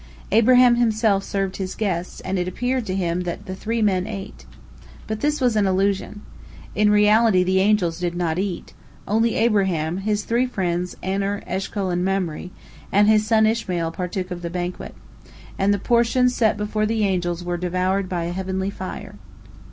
Abraham himself served his guests, and it appeared to him that the three men ate. But this was an illusion. In reality the angels did not eat, only Abraham, his three friends, Aner, Eshcol, and Mamre, and his son Ishmael partook of the banquet, and the portions set before the angels were devoured by a heavenly fire.